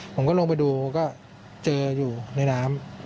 ผมก็ลงไปดูก็เจออยู่ในน้ำ